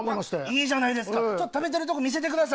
いいじゃないですか食べてるとこ見せてくださいよ。